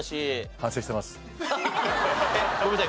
反省してます。